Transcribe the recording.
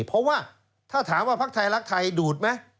เพราะว่าถ้าถามว่าพักไทยรักไทยดูดไหม